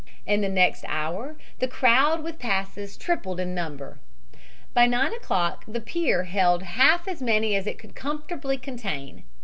In the next hour the crowd with passes trebled in number. By 9 o'clock the pier held half as many as it could comfortably contain.